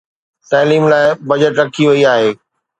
تعليم لاءِ بجيٽ رکي وئي آهي